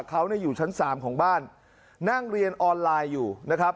เขาอยู่ชั้นสามของบ้านนั่งเรียนออนไลน์อยู่นะครับ